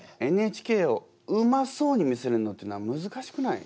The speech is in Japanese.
「ＮＨＫ」をうまそうに見せるのってのはむずかしくない？